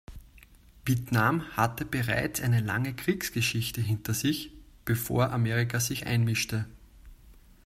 Vietnam hatte bereits eine lange Kriegsgeschichte hinter sich, bevor Amerika sich einmischte.